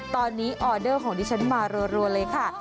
ตอนนี้ออเดอร์ของดิฉันมารัวเลยค่ะ